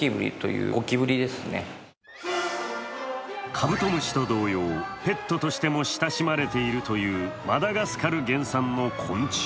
カブトムシと同様、ペットとしても親しまれているというマダガスカル原産の昆虫。